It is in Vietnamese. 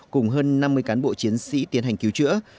cùng hơn năm mươi cán bộ chiến sĩ tiến hành cứu chữa